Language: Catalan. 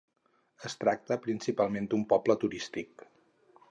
Es tracta principalment d'un poble turístic.